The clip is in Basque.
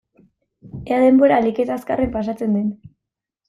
Ea denbora ahalik eta azkarren pasatzen den.